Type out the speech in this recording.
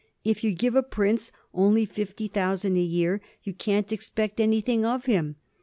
If you give a prince only fifty thousand a year, you can't expect anything of him.